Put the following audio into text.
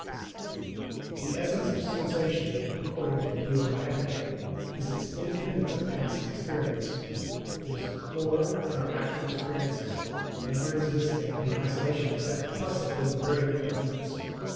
The essence of sensation, according to the view I am advocating, is its independence of past experience. It is a core in our actual experiences, never existing in isolation except possibly in very young infants.